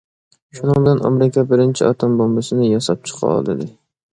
شۇنىڭ بىلەن ئامېرىكا بىرىنچى ئاتوم بومبىسىنى ياساپ چىقالىدى.